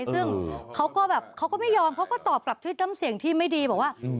ซึ่งเขาก็แบบเขาก็ไม่ยอมเขาก็ตอบกลับชื่อจำเสียงที่ไม่ดีบอกว่า